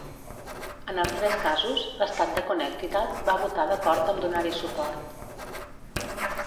En els tres casos, l'estat de Connecticut va votar d'acord amb donar-hi suport.